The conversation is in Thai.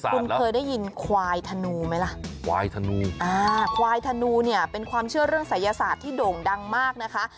คุณเคยได้ยินควายธนูไหมล่ะควายธนูอ่าควายธนูเนี่ยเป็นความเชื่อเรื่องศัยศาสตร์ที่โด่งดังมากนะคะ